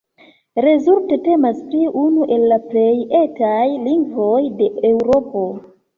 Rezulte temas pri unu el la plej "etaj" lingvoj de Eŭropo.